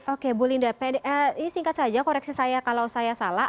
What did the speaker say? oke bu linda ini singkat saja koreksi saya kalau saya salah